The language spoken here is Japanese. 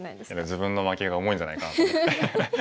自分の負けが重いんじゃないかなと思って。